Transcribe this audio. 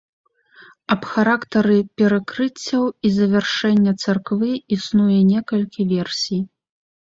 Аб характары перакрыццяў і завяршэння царквы існуе некалькі версій.